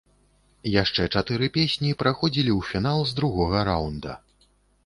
Яшчэ чатыры песні праходзілі ў фінал з другога раўнда.